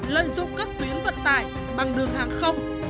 lợi dụng các tuyến vận tải bằng đường hàng không